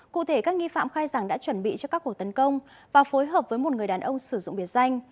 cụ thể các nghi phạm khai giảng đã chuẩn bị cho các cuộc tấn công và phối hợp với một người đàn ông sử dụng biệt danh